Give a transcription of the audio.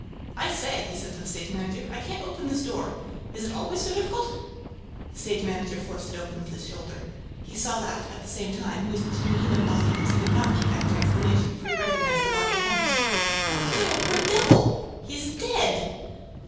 "I say," he said to the stage manager, "I can't open this door: is it always so difficult?" The stage manager forced it open with his shoulder. He saw that, at the same time, he was pushing a human body and he could not keep back an exclamation, for he recognized the body at once: "Mauclair! Poor devil! He is dead!"